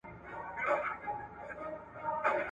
د گل په پاڼو افسانې سوې دي